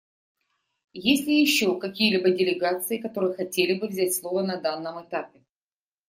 Есть ли еще какие-либо делегации, которые хотели бы взять слово на данном этапе?